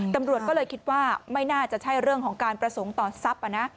ตำรวจก็เลยคิดว่าไม่น่าจะใช่เรื่องของการประสงค์ต่อทรัพย์